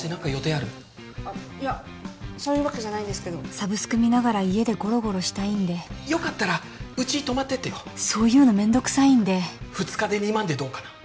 あっいやそういうわけじゃないんですけどサブスク見ながら家でゴロゴロしたいんでよかったらうち泊まってってよそういうのめんどくさいんで２日で２万でどうかな？